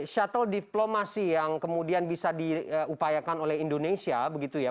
shuttle diplomasi yang kemudian bisa diupayakan oleh indonesia begitu ya